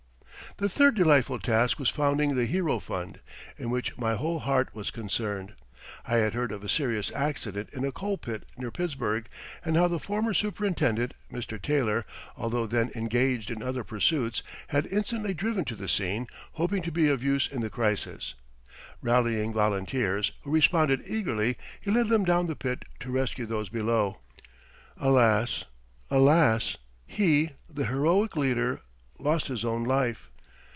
The third delightful task was founding the Hero Fund, in which my whole heart was concerned. I had heard of a serious accident in a coal pit near Pittsburgh, and how the former superintendent, Mr. Taylor, although then engaged in other pursuits, had instantly driven to the scene, hoping to be of use in the crisis. Rallying volunteers, who responded eagerly, he led them down the pit to rescue those below. Alas, alas, he the heroic leader lost his own life.